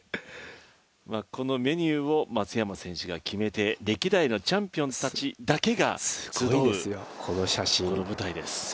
このメニューを松山選手が決めて、歴代のチャンピオンズたちだけが集う舞台です。